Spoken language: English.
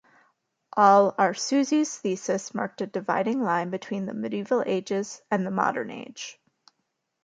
Al-Arsuzi's thesis marked a dividing line between the Medieval Ages and the Modern Age.